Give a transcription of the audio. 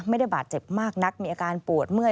ไม่ได้บาดเจ็บมากนักมีอาการปวดเมื่อย